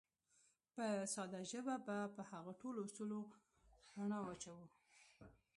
په ساده ژبه به په هغو ټولو اصولو رڼا واچوو.